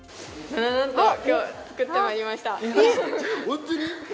今日、作ってまいりました。